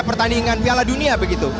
pertandingan piala dunia begitu